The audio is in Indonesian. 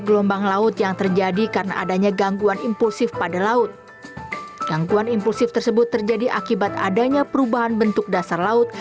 gampang yang terjadi karena adanya gangguan impulsif pada laut